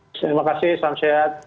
terima kasih salam sehat